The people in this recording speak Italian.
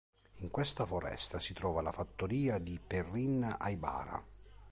In questa foresta si trova la fattoria di Perrin Aybara.